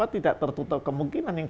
tidak tertutup kemungkinan yang